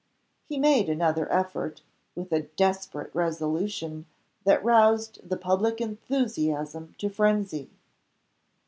He made another effort, with a desperate resolution that roused the public enthusiasm to frenzy.